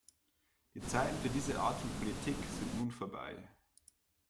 Die Zeiten für diese Art von Politik sind nun vorbei.